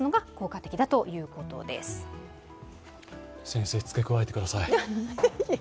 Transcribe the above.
先生、付け加えてください。